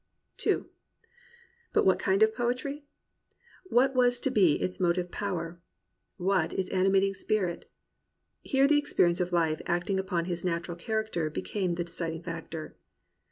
n But what kind of poetry.'' What was to be its motive power.? What its animating spirit? Here the experience of hfe acting upon his natural char acter became the deciding factor.